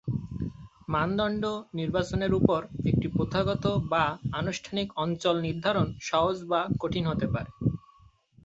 মানদণ্ড নির্বাচনের ওপর একটি প্রথাগত বা আনুষ্ঠানিক অঞ্চল নির্ধারণ সহজ বা কঠিন হতে পারে।